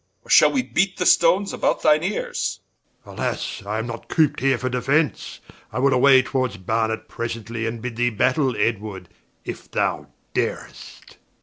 Or shall we beat the Stones about thine Eares? Warw. Alas, I am not coop'd here for defence: I will away towards Barnet presently, And bid thee Battaile, Edward, if thou dar'st Edw.